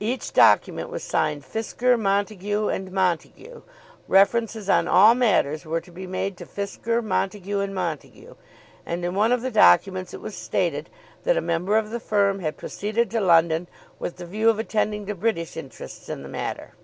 Each document was signed Fisker, Montague, and Montague. References on all matters were to be made to Fisker, Montague, and Montague, and in one of the documents it was stated that a member of the firm had proceeded to London with the view of attending to British interests in the matter.